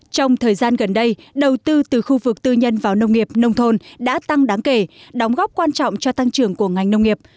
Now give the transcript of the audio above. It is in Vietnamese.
trong thời gian gần đây đầu tư từ khu vực tư nhân vào nông nghiệp nông thôn đã tăng đáng kể đóng góp quan trọng cho tăng trưởng của ngành nông nghiệp